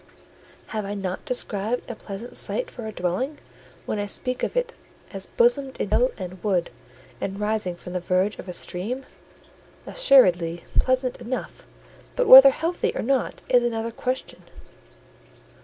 Have I not described a pleasant site for a dwelling, when I speak of it as bosomed in hill and wood, and rising from the verge of a stream? Assuredly, pleasant enough: but whether healthy or not is another question.